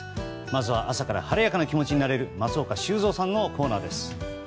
まずは朝から晴れやかな気持ちになれる松岡修造さんのコーナーです。